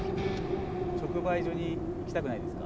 直売所に行きたくないですか？